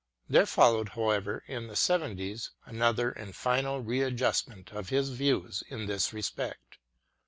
There followed, however, in the seventies, another and final readjustment of his views in this respect.